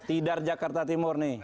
tidar jakarta timur nih